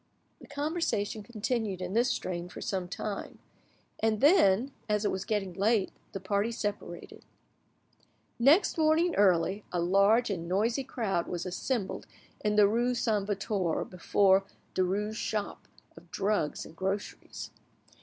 The conversation continued in this strain for some time, and then, as it was getting late, the party separated. Next morning early, a large and noisy crowd was assembled in the rue Saint Victor before Derues' shop of drugs and groceries.